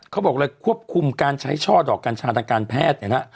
เขาบอกเลยควบคุมการใช้ช่อดอกกัญชาทางการแพทย์เนี่ยนะฮะ